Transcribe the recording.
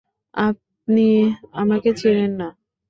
আপনি আমাকে চেনেন না।